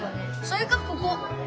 それかここ！